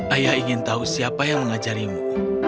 ayah ingin tahu siapa yang mengajarimu